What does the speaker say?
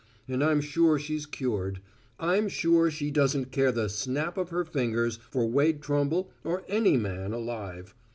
And I'm sure she's cured; I'm sure she doesn't care the snap of her fingers for Wade Trumble or any man alive.